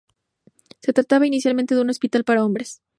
Se trataba inicialmente de un hospital para hombres.